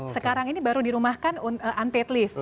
sekarang ini baru dirumahkan unpaid lift